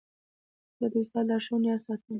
زه د استاد لارښوونې یاد ساتم.